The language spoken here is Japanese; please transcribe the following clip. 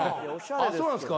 そうなんですか。